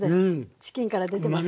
チキンから出てますから。